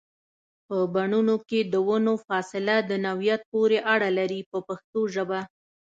په بڼونو کې د ونو فاصله د نوعیت پورې اړه لري په پښتو ژبه.